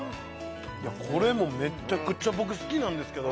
これもめちゃくちゃ僕好きなんですけど